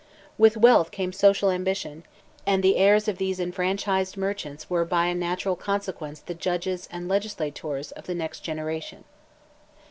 With wealth came social ambition, and the heirs of these enfranchised merchants were by a natural consequence the judges and legislators of the next generation.